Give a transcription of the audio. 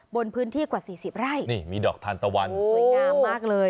บนพื้นที่กว่าสี่สิบไร่นี่มีดอกทานตะวันสวยงามมากเลย